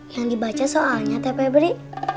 yang dibaca soalnya teh pebri